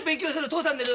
父さん寝る。